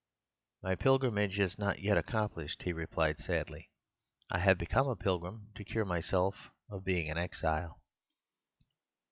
"'My pilgrimage is not yet accomplished,' he replied sadly. 'I have become a pilgrim to cure myself of being an exile.